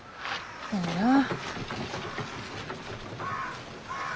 そやなあ。